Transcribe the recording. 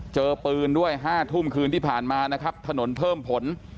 เจอปืนด้วย๕ทุ่มคืนที่ผ่านมานะครับถนนเพิ่มผล